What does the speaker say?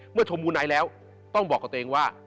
เมื่อชมบูนัยแล้วต้องบอกกับตัวเองว่า